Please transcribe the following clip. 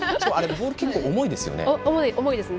ボール、結構重いですよね。